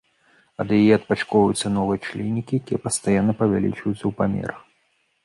Ад яе адпачкоўваюцца новыя членікі, якія пастаянна павялічваюцца ў памерах.